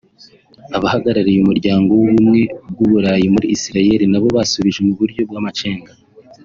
Abahagarariye Umuryango w’Ubumwe bw’u Burayi muri Israel nabo basubije mu buryo bw’amacenga